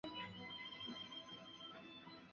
背部有斑点。